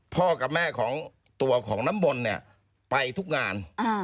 พ่อกับแม่ของตัวของน้ำมนต์เนี่ยไปทุกงาน